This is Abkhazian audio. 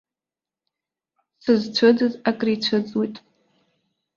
Сызцәыӡыз акрицәыӡуеит.